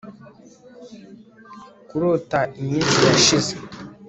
kurota iminsi yashize